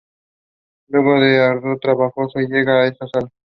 Luego de un arduo trabajo, se llega a esta sala.